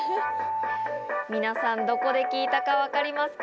皆さん、どこで聞いたかわかりますか？